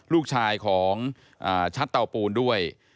ลูกชายของชัดเตาปูนด้วย